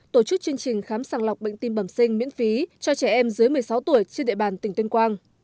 tổ chức chương trình khám sàng lọc bệnh tim bẩm sinh miễn phí cho trẻ em dưới một mươi sáu tuổi trên địa bàn tỉnh tuyên quang